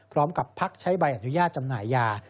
พร้อมกับพักใช้ใบอนุญาตจำหน่ายยา